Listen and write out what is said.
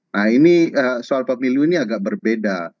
nah soal pemilih ini agak berbeda